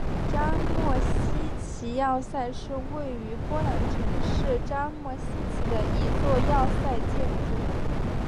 扎莫希奇要塞是位于波兰城市扎莫希奇的一座要塞建筑。